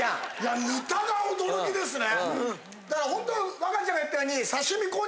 だから本当和歌ちゃんが言ったように。